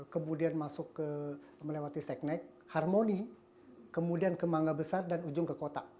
kemudian masuk ke melewati seknek harmoni kemudian ke mangga besar dan ujung ke kota